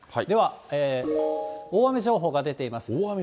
では大雨情報が出ています。